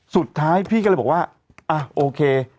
สุดท้ายพี่ก็เลยบอกว่าอ่ะโอเค